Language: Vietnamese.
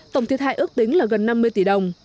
tổng thiệt hại ước tính là gần năm mươi tỷ đồng